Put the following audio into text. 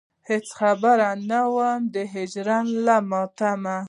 هېڅ خبر نه وم د هجر له ماتمه.